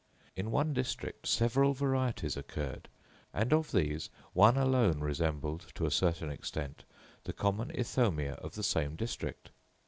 In one district several varieties occurred, and of these one alone resembled, to a certain extent, the common Ithomia of the same district.